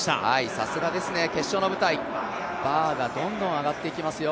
さすがですね、決勝の舞台、バーがどんどん上がっていきますよ。